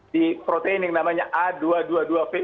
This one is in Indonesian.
di protein yang namanya a dua ratus dua puluh dua v